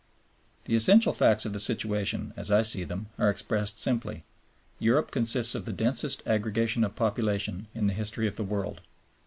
The essential facts of the situation, as I see them, are expressed simply. Europe consists of the densest aggregation of population in the history of the world.